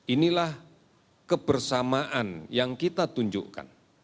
inilah kebersamaan yang kita tunjukkan